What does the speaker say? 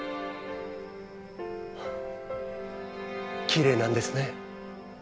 きれいなんですね星って。